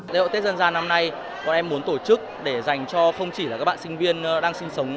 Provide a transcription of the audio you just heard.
lễ hội tết dân gian năm nay bọn em muốn tổ chức để dành cho không chỉ là các bạn sinh viên đang sinh sống